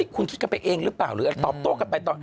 คุณคิดกันไปเองหรือเปล่าหรือตอบโต้กันไปตอน